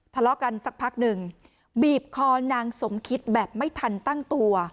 ทะเลาะกันสักพักหนึ่งบีบคอนางสมคิดแบบไม่ทันตั้งตัว